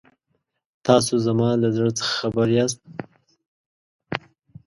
تاسو زما له زړه څخه خبر یاست.